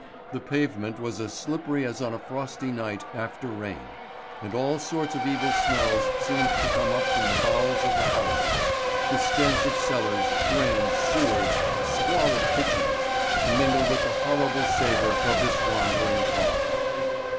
The pavement was as slippery as on a frosty night after rain, and all sorts of evil smells seemed to come up from the bowels of the houses—the stench of cellars, drains, sewers, squalid kitchens—to mingle with the horrible savour of this wandering fog.